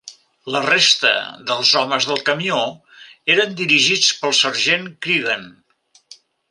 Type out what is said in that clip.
La resta dels homes del camió eren dirigits pel sergent Creegan.